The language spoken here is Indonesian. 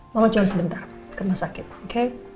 mama cuma sebentar karena sakit oke